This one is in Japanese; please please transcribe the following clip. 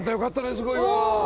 すごい今。